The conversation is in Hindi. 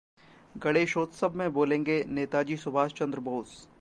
गणेशोत्सव में बोलेंगे नेताजी सुभाषचंद्र बोस!